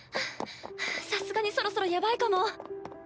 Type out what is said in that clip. さすがにそろそろやばいかも。